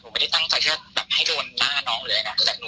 มันไม่ได้ตั้งใจให้โดนหน้านองเลย